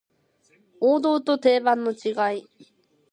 王道と定番の違い